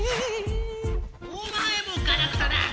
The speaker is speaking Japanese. おまえもガラクタだあ！